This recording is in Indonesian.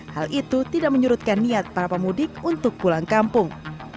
hal itu tidak menyurutkan niat para pemudik untuk pulang kampung